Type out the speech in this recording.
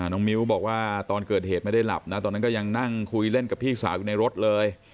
น้องมิ้วบอกว่าตอนเกิดเหตุไม่ได้หลับนะตอนนั้นก็ยังนั่งคุยเล่นกับพี่สาวอยู่ในรถเลย